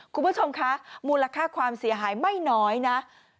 คุณผู้ชมคะมูลค่าความเสียหายไม่น้อยนะ